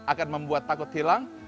akan membuat takut hilang